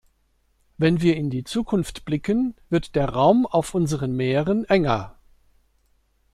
Wenn wir in die Zukunft blicken, wird der Raum auf unseren Meeren enger.